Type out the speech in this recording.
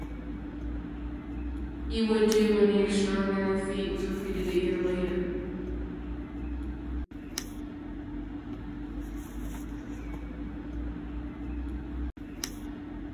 He would too, when the extraordinary feat was repeated a year later.